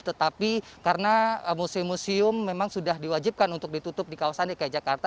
tetapi karena museum museum memang sudah diwajibkan untuk ditutup di kawasan dki jakarta